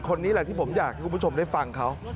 คนนี้แหละที่ผมอยากให้คุณผู้ชมได้ฟังเขา